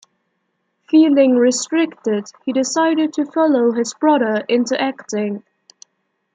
Feeling restricted, he decided to follow his brother into acting.